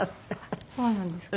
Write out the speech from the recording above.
そうなんですか？